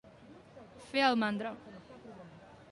Fer el mandra.